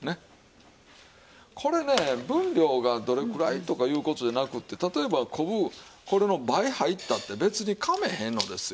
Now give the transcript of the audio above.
これね分量がどれくらいとかいう事じゃなくって例えば昆布これの倍入ったって別にかまわへんのですよ。